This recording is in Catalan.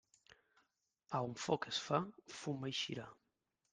A on foc es fa, fum eixirà.